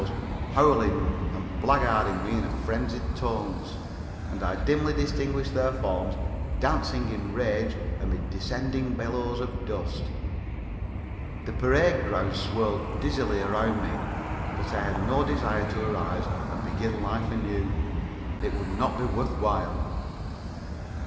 's howling and blackguarding me in frenzied tones, and I dimly distinguished their forms dancing in rage amid descending billows of dust. The parade ground swirled dizzily around me, but I had no desire to arise and begin life anew. It would not be worth while.